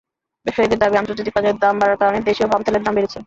ব্যবসায়ীদের দাবি, আন্তর্জাতিক বাজারে দাম বাড়ার কারণে দেশেও পাম তেলের দাম বেড়েছে।